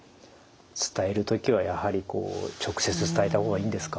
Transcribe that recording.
伝える時はやはり直接伝えた方がいいんですか？